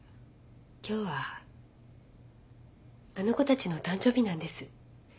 今日はあの子たちの誕生日なんです。